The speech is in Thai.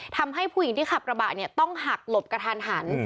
ทำให้ผู้หญิงที่ขับกระบะเนี่ยต้องหักหลบกระทันหัน